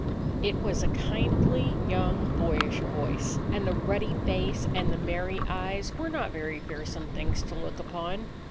It was a kindly, young, boyish voice, and the ruddy face and the merry eyes were not very fearsome things to look upon.